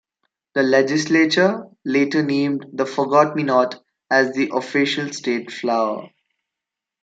The Legislature later named the forget-me-not as the official State flower.